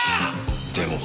でも。